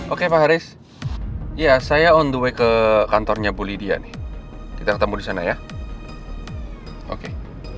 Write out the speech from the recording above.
oke pak haris ya saya on the way ke kantornya bu lydia nih kita ketemu di sana ya oke